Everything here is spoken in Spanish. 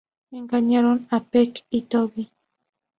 Engañaron a Peck y Toby.